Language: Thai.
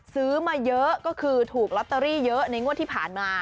ซื้อมาเยอะก็คือถูกลอตเตอรี่เยอะในงวดที่ผ่านมา